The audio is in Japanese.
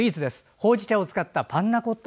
ほうじ茶を使ったパンナコッタ。